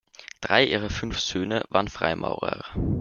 Drei ihrer fünf Söhne waren Freimaurer.